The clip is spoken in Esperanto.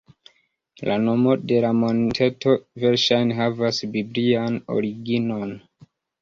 La nomo de la monteto verŝajne havas biblian originon.